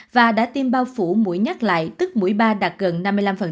và đã tiêm bao phủ mũi nhắc lại tức mũi ba đạt gần năm mươi năm